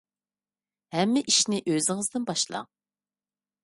ھەممە ئىشنى ئۆزىڭىزدىن باشلاڭ.